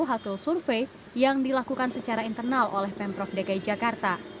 hasil survei yang dilakukan secara internal oleh pemprov dki jakarta